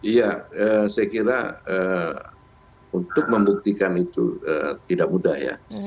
iya saya kira untuk membuktikan itu tidak mudah ya